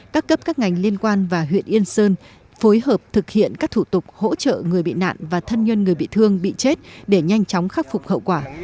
các cấp các ngành liên quan và huyện yên sơn phối hợp thực hiện các thủ tục hỗ trợ người bị nạn và thân nhân người bị thương bị chết để nhanh chóng khắc phục hậu quả